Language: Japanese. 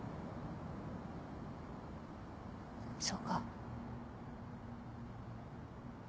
そうか。